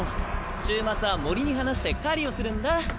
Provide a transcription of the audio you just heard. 週末は森に放して狩りをするんだ。